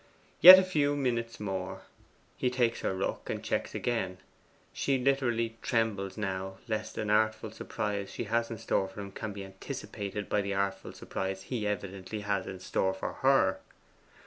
Yet a few minutes more: he takes her rook and checks again. She literally trembles now lest an artful surprise she has in store for him shall be anticipated by the artful surprise he evidently has in store for her.